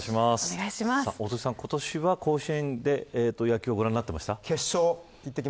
今年は甲子園で野球をご覧になっていましたか。